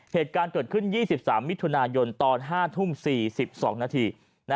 เหตุการณ์เกิดขึ้น๒๓มิถุนายนตอน๕ทุ่ม๔๒นาที